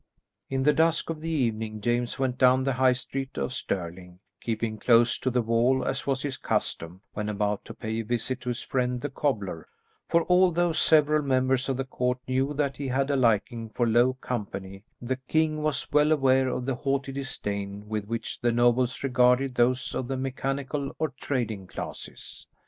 In the dusk of the evening, James went down the high street of Stirling, keeping close to the wall as was his custom when about to pay a visit to his friend the cobbler, for although several members of the court knew that he had a liking for low company, the king was well aware of the haughty disdain with which the nobles regarded those of the mechanical or trading classes.